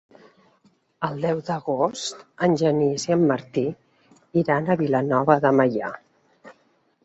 El deu d'agost en Genís i en Martí iran a Vilanova de Meià.